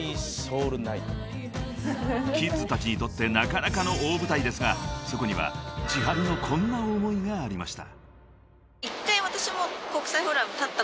［キッズたちにとってなかなかの大舞台ですがそこにはｃｈｉｈａｒｕのこんな思いがありました］